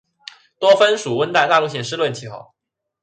多芬属温带大陆性湿润气候。